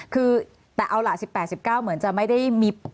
คือแต่เอาล่ะ๑๘๑๙เหมือนจะไม่ได้มี